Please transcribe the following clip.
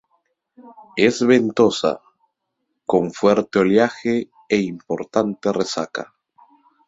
Es ventosa, con fuerte oleaje e importante resaca.